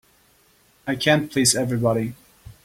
I can't please everybody.